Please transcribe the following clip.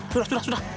sudah sudah sudah